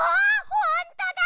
ほんとだ！